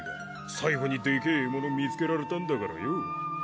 最後にでけぇ獲物見つけられたんだからよ。